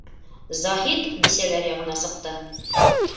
Заһит бисәләр яғына сыҡты.